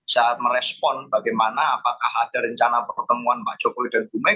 saat merespon bagaimana apakah ada rencana pertemuan pak jokowi dan bu mega